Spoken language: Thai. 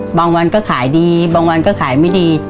บางวันก็ขายดีบางวันก็ขายไม่ดี